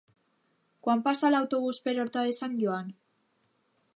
Quan passa l'autobús per Horta de Sant Joan?